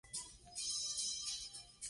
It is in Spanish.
Hacia el sur, se encuentra la Montaña Azul.